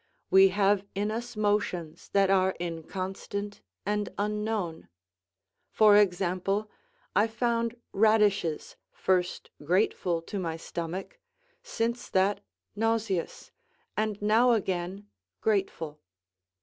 We have in us motions that are inconstant and unknown; for example, I found radishes first grateful to my stomach, since that nauseous, and now again grateful.